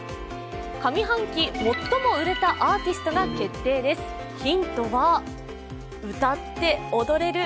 上半期、最も売れたアーティストが決定ず。